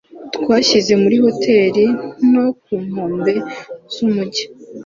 Twashyize muri hoteri nto ku nkombe z'umujyi.